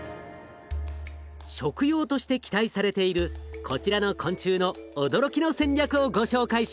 食用として期待されているこちらの昆虫の驚きの戦略をご紹介します。